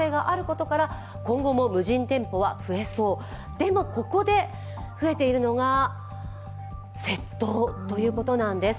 でも、ここで増えているのが窃盗ということなんです。